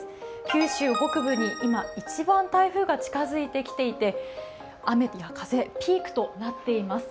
九州北部に今一番台風が近づいてきていて雨や風、ピークとなっています。